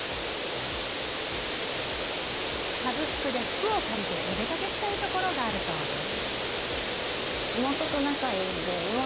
サブスクで服を借りてお出かけしたいところがあるそうです。